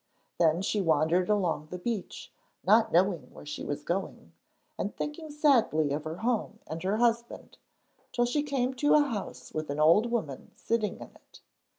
Then she wandered along the beach not knowing where she was going, and thinking sadly of her home and her husband, till she came to a house with an old woman sitting in it.